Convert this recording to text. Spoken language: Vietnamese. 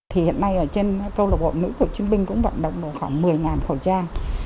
hôm nay ở trên câu lạc bộ nữ của chiến binh cũng vận động được khoảng một mươi khẩu trang